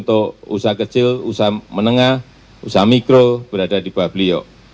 untuk usaha kecil usaha menengah usaha mikro berada di bawah beliau